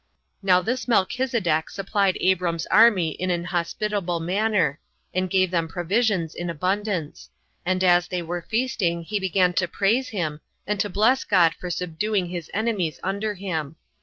Now this Melchisedec supplied Abram's army in an hospitable manner, and gave them provisions in abundance; and as they were feasting, he began to praise him, and to bless God for subduing his enemies under him.